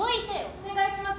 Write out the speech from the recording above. お願いします